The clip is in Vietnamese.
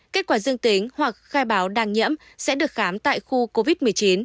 kết quả dương tính hoặc khai báo đang nhiễm sẽ được khám tại khu covid một mươi chín